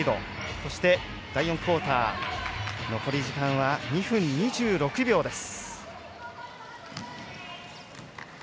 そして、第４クオーター残り時間は２分２６秒です。